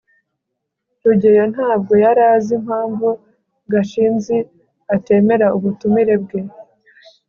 rugeyo ntabwo yari azi impamvu gashinzi atemera ubutumire bwe